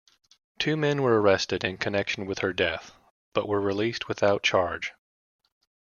Two men were arrested in connection with her death, but were released without charge.